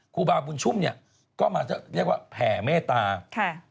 ครูบาบุญชุ่มเนี่ยก็มาเรียกว่าแผ่เมตตาค่ะ